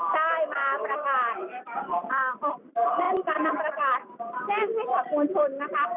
ได้มาประกาศอ่าออกได้มีการนำประกาศแจ้งให้ขวดทุนนะคะ